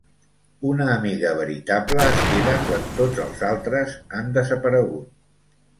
Una amiga veritable es queda quan tots els altres han desaparegut.